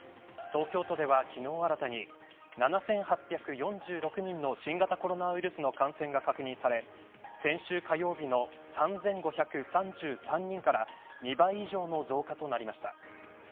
東京都では、昨日新たに７８４６人の新型コロナウイルスの感染が確認され先週火曜日の３５３３人から２倍以上の増加となりました。